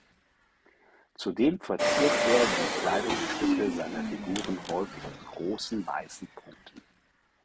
Zudem verziert er die Kleidungsstücke seiner Figuren häufig mit großen weißen Punkten.